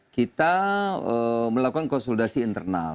kita melakukan konsultasi internal